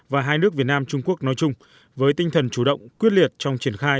và hai nước việt nam trung quốc nói chung với tinh thần chủ động quyết liệt trong triển khai